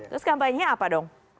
terus kampanye apa dong